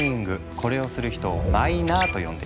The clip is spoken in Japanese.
これをする人をマイナーと呼んでいる。